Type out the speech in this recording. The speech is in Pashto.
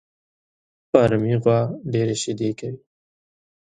فارمي غوا ډېري شيدې کوي